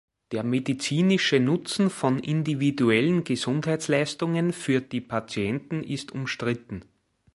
Der medizinische Nutzen von individuellen Gesundheitsleistungen für die Patienten ist umstritten.